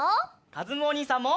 かずむおにいさんも！